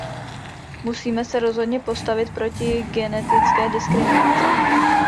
Musíme se rozhodně postavit proti genetické diskriminaci.